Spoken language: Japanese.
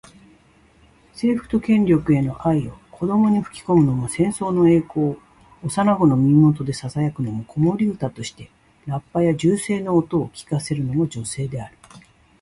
征服と権力への愛を子どもに吹き込むのも、戦争の栄光を幼子の耳元でささやくのも、子守唄としてラッパや銃声の音を聞かせるのも女性である。